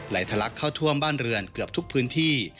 ทะลักเข้าท่วมบ้านเรือนเกือบทุกพื้นที่